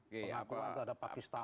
pengakuan terhadap pakistan